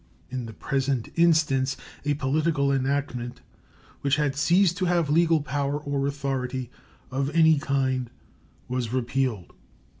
In the present instance a political enactment which had ceased to have legal power or authority of any kind was repealed.